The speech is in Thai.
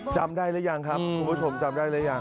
จำได้หรือยังครับคุณผู้ชมจำได้หรือยัง